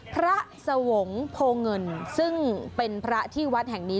พระสวงศ์โพเงินซึ่งเป็นพระที่วัดแห่งนี้